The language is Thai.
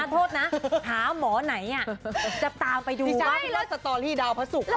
โทษนะหามอไหนจะตามไปดูเตี๋ยวจะตอรี่ดาวน์พระศุคเชิง